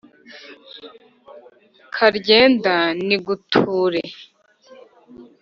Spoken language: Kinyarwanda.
karyenda niguture